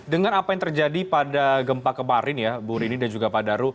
dengan apa yang terjadi pada gempa kemarin ya bu rini dan juga pada hari ini ya